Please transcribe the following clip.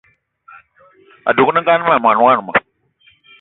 Adugna ma mwaní wama